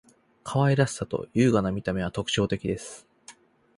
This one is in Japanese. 可愛らしさと優雅な見た目は特徴的です．